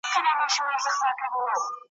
یوه ورځ د یوه ښار پر لور روان سوه `